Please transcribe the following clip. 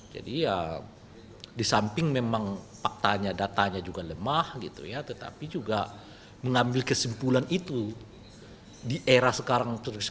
jadi ya di samping memang faktanya datanya juga lemah tetapi juga mengambil kesimpulan itu di era sekarang ini